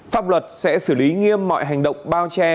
pháp luật sẽ xử lý nghiêm mọi hành động bao che